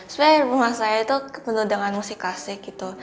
sebenarnya rumah saya itu penuh dengan musik klasik